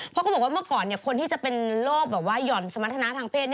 เพราะเขาบอกว่าเมื่อก่อนคนที่จะเป็นโรคแบบว่าหย่อนสมรรถนาทางเพศ